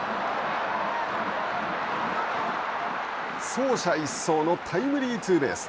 走者一掃のタイムリーツーベース。